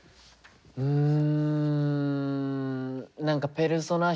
うん。